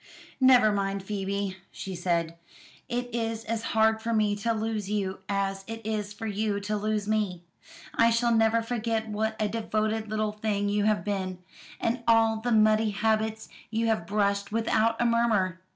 "Never mind, Phoebe," she said; "it is as hard for me to lose you as it is for you to lose me. I shall never forget what a devoted little thing you have been, and all the muddy habits you have brushed without a murmur.